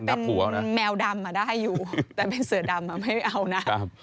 เป็นแมวดำได้อยู่แต่เป็นเสือดำไม่เอานะ